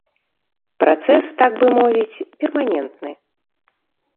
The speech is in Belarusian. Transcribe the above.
Працэс, так бы мовіць, перманентны.